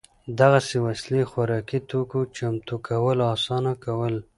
دغې وسیلې خوراکي توکو چمتو کول اسانه کول